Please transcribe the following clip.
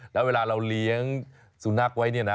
แล้วเวลาเราเลี้ยงสุนัขไว้เนี่ยนะ